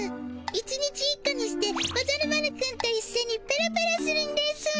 １日１個にしておじゃる丸くんといっしょにペロペロするんですぅ。